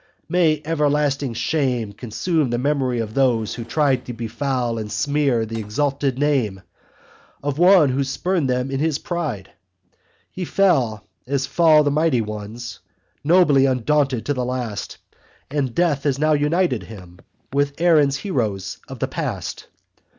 May everlasting shame consume The memory of those who tried To befoul and smear the exalted name Of one who spurned them in his pride. He fell as fall the mighty ones, Nobly undaunted to the last, And death has now united him With Erin's heroes of the past.